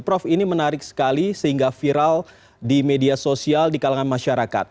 prof ini menarik sekali sehingga viral di media sosial di kalangan masyarakat